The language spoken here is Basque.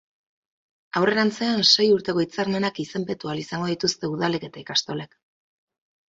Aurrerantzean, sei urteko hitzarmenak izenpetu ahal izango dituzte udalek eta ikastolek.